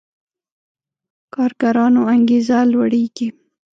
کارګرانو انګېزه لوړېږي.